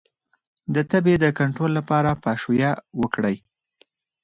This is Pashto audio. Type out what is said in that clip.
د تبې د کنټرول لپاره پاشویه وکړئ